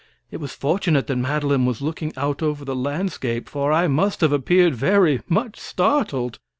It was fortunate that Madeline was looking out over the landscape, for I must have appeared very much startled.